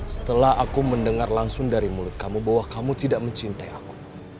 setelah aku mendengar langsung dari mulut kamu bahwa kamu tidak mencintai aku